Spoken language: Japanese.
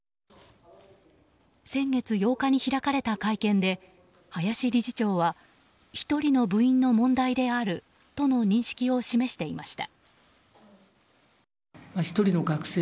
先月８日に開かれた会見で林理事長は１人の部員の問題であるとの認識を示していました。